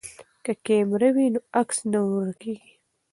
که کیمره وي نو عکس نه ورکیږي.